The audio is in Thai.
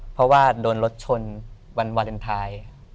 เพราะว่าโดนรถชนวันวาเลนไทย